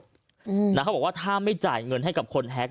เขาบอกว่าถ้าไม่จ่ายเงินให้กับคนแฮ็ก